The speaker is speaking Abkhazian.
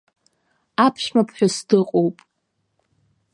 Аԥшәмаԥҳәыс дыҟоуп.